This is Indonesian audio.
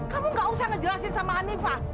kamu gak usah ngejelasin sama hanifah